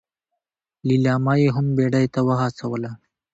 ليلما يې هم بيړې ته وهڅوله.